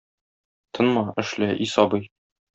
Тынма, эшлә, и сабый!